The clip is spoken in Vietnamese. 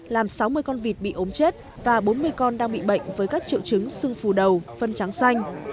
làm sáu mươi con vịt bị ốm chết và bốn mươi con đang bị bệnh với các triệu chứng sưng phù đầu phân trắng xanh